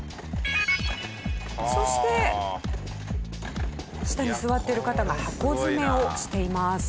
そして下に座ってる方が箱詰めをしています。